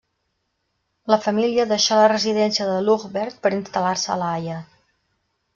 La família deixà la residència de Ljouwert per instal·lar-se a La Haia.